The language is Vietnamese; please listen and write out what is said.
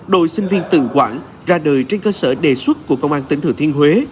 đội sinh viên tự quản ra đời trên cơ sở đề xuất của công an tỉnh thừa thiên huế